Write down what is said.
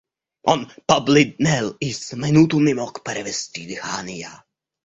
Он побледнел и с минуту не мог перевести дыхания.